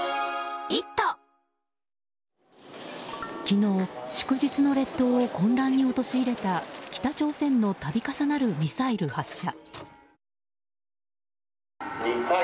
昨日、祝日の列島を混乱に陥れた北朝鮮の度重なるミサイル発射。